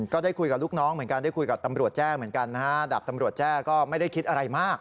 ก็ได้คุยกับลูกน้องเหมือนกันได้คุยกับตำรวจแจ้เหมือนกันนะฮะดาบตำรวจแจ้ก็ไม่ได้คิดอะไรมาก